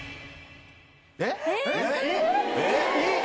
えっ？